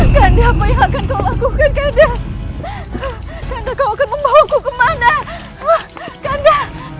kanda apa yang akan kau lakukan kanda kau akan membawaku kemana kanda